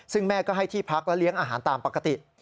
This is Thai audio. ซึ่งแม่ก็ให้ที่พักและเลี้ยงอาหารตามปกติ